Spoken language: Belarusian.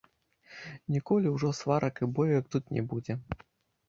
Ніколі ўжо сварак і боек тут не будзе.